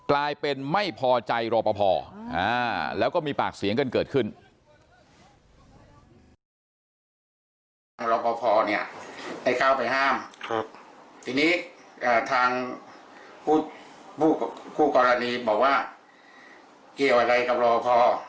รอบภให้เข้าไปห้ามทีนี้ทางผู้กรณีบอกว่าเกี่ยวอะไรกับรอบภ